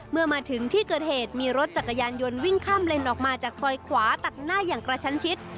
เมื่อมาถึงที่เกิดเหตุมีรถจักรยานยนต์วิ่งข้ามเลนออกมาจากซอยขวาตัดหน้าอย่างกระชั้นชิด